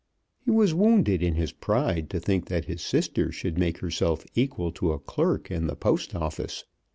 He was wounded in his pride to think that his sister should make herself equal to a clerk in the Post Office.